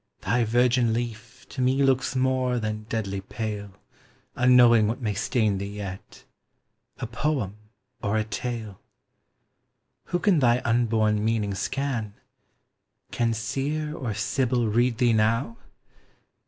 thy virgin leaf To me looks more than deadly pale, Unknowing what may stain thee yet, A poem or a tale. Who can thy unborn meaning scan? Can Seer or Sibyl read thee now?